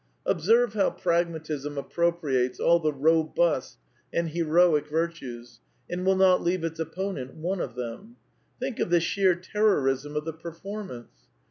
Observe how Pragmatism appropriates all the robust and heroic virtues, and will not leave its opponent one of them. Think of the sheer terrorism of the performance.